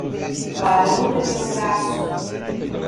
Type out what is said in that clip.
Barão de Melgaço